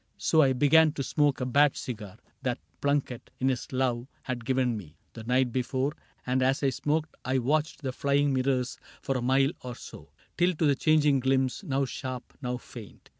So I began to smoke a bad cigar That Plunket, in his love, had given me The night before ; and as I smoked I watched The flying mirrors for a mile or so, Till to the changing glimpse, now sharp, now faint.